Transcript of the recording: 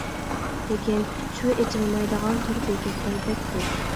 لېكىن شۇ ئېچىلمايدىغان تور بېكەتلەر بەك كۆپ.